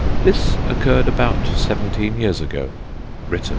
This occurred about seventeen years ago [written c.